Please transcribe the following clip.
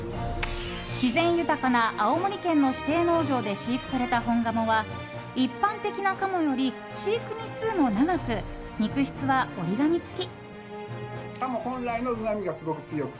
自然豊かな青森県の指定農場で飼育された本鴨は一般的な鴨より飼育日数も長く肉質は折り紙付き。